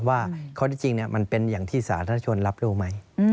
ว่าข้อที่จริงมันเป็นอย่างที่สาธารณชนรับรู้ไหม